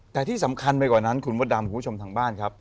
แต่ที่สำคัญไปกว่านั้นคุณมดดำคุณผู้ชมทางบ้านครับ